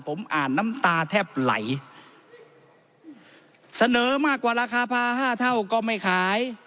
ผมอ่านน้ำตาแทบไหลเสนอมากกว่าราคาพาห้าเท่าก็ไม่ขาย